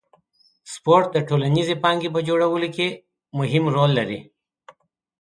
سپورت د ټولنیزې پانګې په جوړولو کې مهم رول لري.